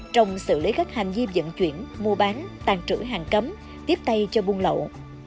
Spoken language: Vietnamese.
trồng xử lý các hành vi dẫn chuyển mua bán tàn trữ hàng cấm tiếp tay cho buôn lậu